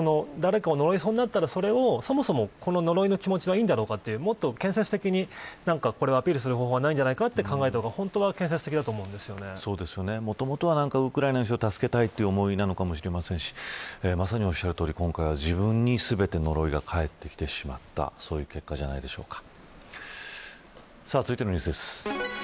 誰かを呪いそうになったらそれをそもそも呪いの気持ちがいいんだろうかとか、もっと建設的にこれをアピールする方法がないんじゃないかと考えたほうがもともとはウクライナの人を助けたいという思いなのかもしれませんしまさにおっしゃるとおり今回は自分に全て呪いがかえってきてしまった、そういう結果じゃないでしょうか。